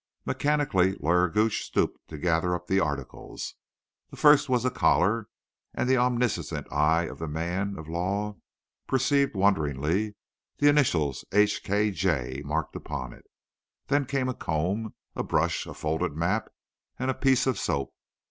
Mechanically, Lawyer Gooch stooped to gather up the articles. The first was a collar; and the omniscient eye of the man of law perceived, wonderingly, the initials H. K. J. marked upon it. Then came a comb, a brush, a folded map, and a piece of soap.